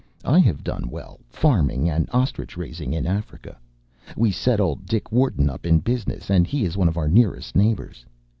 I have done well, farming and ostrich raising in Africa. We set old Dick Wharton up in business, and he is one of our nearest neighbours.